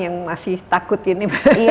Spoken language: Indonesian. yang masih takut ini